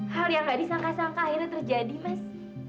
hal yang gak disangka sangka akhirnya terjadi mas